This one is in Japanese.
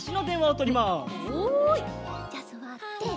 じゃあすわって。